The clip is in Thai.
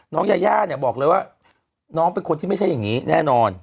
ยาย่าเนี่ยบอกเลยว่าน้องเป็นคนที่ไม่ใช่อย่างนี้แน่นอน